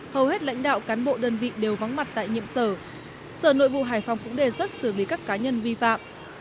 hầu hết lãnh đạo cán bộ đơn vị đều vắng mặt tại nhiệm sở sở nội vụ hải phòng cũng đề xuất xử lý các cá nhân vi phạm